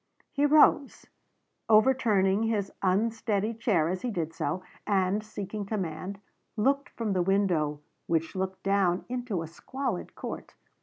He rose, overturning his unsteady chair as he did so, and, seeking command, looked from the window which looked down into a squalid court.